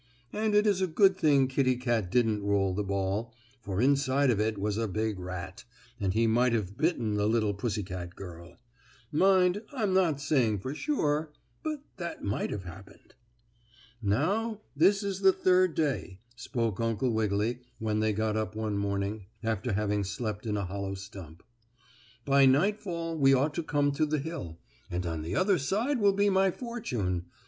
And it is a good thing Kittie Kat didn't roll the ball, for inside of it was a big rat, and he might have bitten the little pussy girl. Mind, I'm not saying for sure, but that might have happened. "Now, this is the third day," spoke Uncle Wiggily when they got up one morning, after having slept in a hollow stump. "By nightfall we ought to come to the hill, and on the other side will be my fortune.